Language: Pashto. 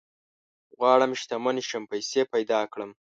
غواړم شتمن شم ، پيسي پيدا کړم